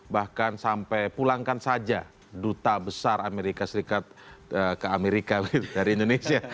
bahkan sampai pulangkan saja duta besar amerika serikat ke amerika dari indonesia